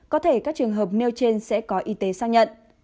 có thể các trường hợp nêu trên sẽ có y tế xác nhận